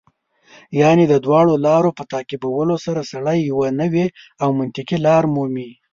یعنې د دواړو لارو په تعقیبولو سره سړی یوه نوې او منطقي لار مومي.